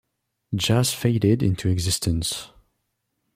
Jaz faded into existence